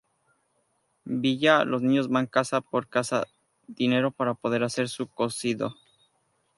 Villa, los niños, van casa por casa dinero para poder hacer su cocido.